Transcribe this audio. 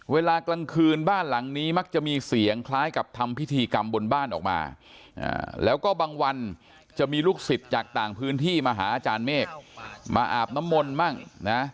เวลากลางคืนบ้านหลังนี้มักจะมีเสียงคล้ายกับทำพิธีกรรมบนบ้านออกมาแล้วก็บางวันจะมีลูกศิษย์จากต่างพื้นที่มาหาอาจารย์เมฆมาอาบน้ำมนต์บ้างนะ